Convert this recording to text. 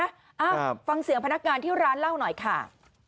เอ้าฟังเสียงพนักงานที่ร้านเล่าหน่อยค่ะ